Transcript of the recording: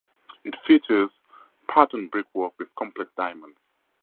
It features patterned brickwork with complex diamonds.